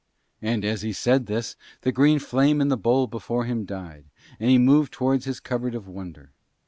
And as he said this the green flame in the bowl before him died, and he moved towards his cupboard of wonder.